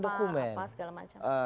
apa segala macam